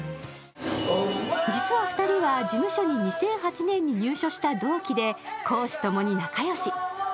実は、２人は事務所に２００８年に入所した同期で公私共に仲良し。